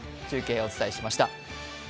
中継お伝えしました。